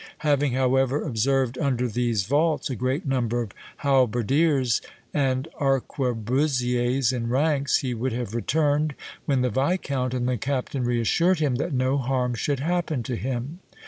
Having, however, observed under these vaults a great number of halberdiers and arquebusiers in ranks, he would have returned, when the viscount and the captain reassured him that no harm should happen to him.